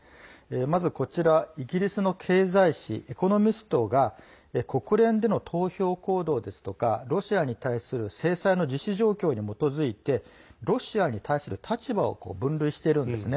まず、こちらはイギリスの経済誌「エコノミスト」が国連での投票行動ですとかロシアに対する制裁の実施状況などに基づいてロシアに対する立場を分類しているんですね。